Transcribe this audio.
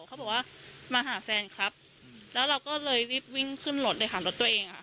เขาบอกว่ามาหาแฟนครับแล้วเราก็เลยรีบวิ่งขึ้นรถเลยค่ะรถตัวเองอ่ะ